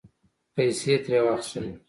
پیسې یې ترې واخستلې